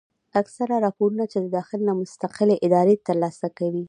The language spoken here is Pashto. اکثره راپورنه چې د داخل نه مستقلې ادارې تر لاسه کوي